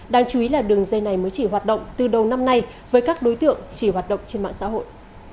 đáng chú ý là đường dây này mới chỉ hoạt động từ đầu năm nay với các đối tượng chỉ hoạt động trên mạng xã hội